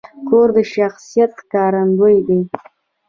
کور د شخصیت ښکارندوی دی.